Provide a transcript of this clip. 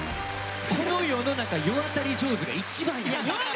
この世の中世渡り上手が一番やから。